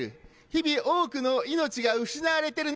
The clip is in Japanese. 日々多くの命が失われている。